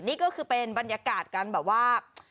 นี่ก็คือเป็นบรรยากาศการแบบว่า